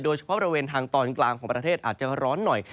บริเวณทางตอนกลางของประเทศอาจจะร้อนหน่อย